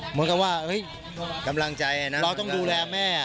เหมือนกันว่าเฮ้ยเราต้องดูแลแม่